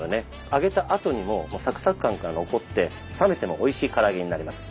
揚げたあとにもサクサク感が残って冷めてもおいしいから揚げになります。